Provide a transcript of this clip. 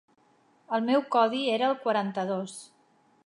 El meu codi era el quaranta-dos.